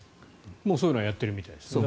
もうそういうのはやっているみたいですね。